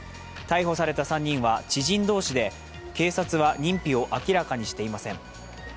逮捕された３人は知人同士で警察は認否を明らかにしていません。